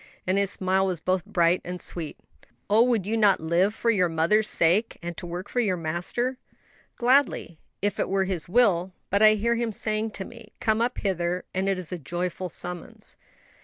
And his smile was both bright and sweet. "Oh, would you not live for your mother's sake? and to work for your Master?" "Gladly, if it were His will; but I hear Him saying to me, 'Come up hither'; and it is a joyful summons."